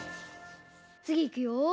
つぎいくよ！